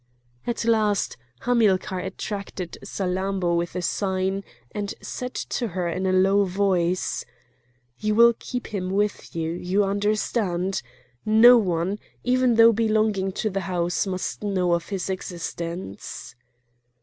At last Hamilcar attracted Salammbô with a sign and said to her in a low voice: "You will keep him with you, you understand! No one, even though belonging to the house, must know of his existence!"